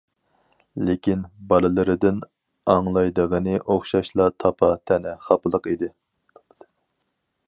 لېكىن بالىلىرىدىن ئاڭلايدىغىنى ئوخشاشلا تاپا-تەنە، خاپىلىق ئىدى.